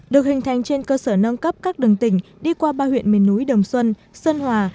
được hình thành trên cơ sở nâng cấp các đường tỉnh đi qua ba huyện miền núi đồng xuân sơn hòa